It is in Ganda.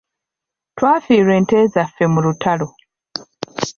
Twafiirwa ente zaffe mu lutalo.